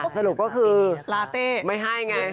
สรุปก็คือไม่ให้ง่าย